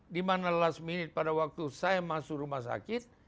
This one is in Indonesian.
dimana last minute pada waktu saya masuk rumah sakit